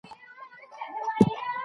فشار د بدن دفاعي غبرګون دی.